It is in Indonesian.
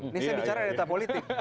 ini saya bicara data politik